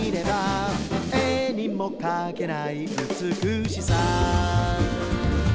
「絵にもかけない美しさ」